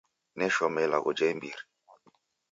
Neshoma ilagho ja imbiri.